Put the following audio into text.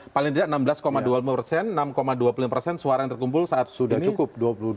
paling tidak enam belas dua puluh persen enam dua puluh lima persen suara yang terkumpul saat sudah cukup